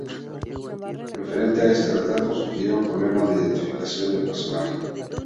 Referente a este retrato surgieron problemas de identificación del personaje.